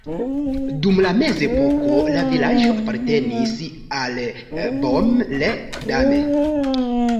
Dum la mezepoko la vilaĝo apartenis al Baume-les-Dames.